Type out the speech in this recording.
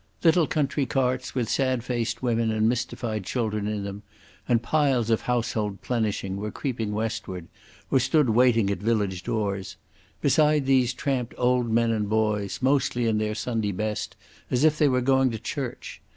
Little country carts with sad faced women and mystified children in them and piles of household plenishing were creeping westward, or stood waiting at village doors. Beside these tramped old men and boys, mostly in their Sunday best as if they were going to church.